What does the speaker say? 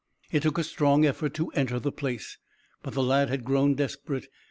It took a strong effort to enter the place, but the lad had grown desperate.